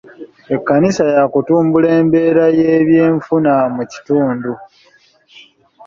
Ekkanisa yaakutumbula embeera y'ebyenfuna mu kitundu.